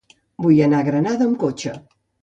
Vull anar a la Granada amb cotxe.